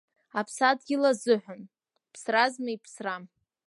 Аԥсадгьыл азыҳәан, ԥсразма иԥсра.